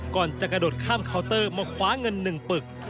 ก่อนจะกระโดดข้ามเคาน์เตอร์มาคว้าเงิน๑ปึก